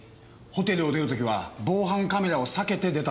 ホテルを出る時は防犯カメラを避けて出たものと。